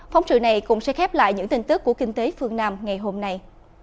phóng sự này cũng sẽ khép lại những tin tức của kinh tế phương nam ngày hôm nay